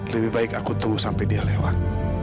lebih baik aku tunggu sampai dia lewat